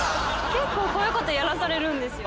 結構こういうことやらされるんですよ。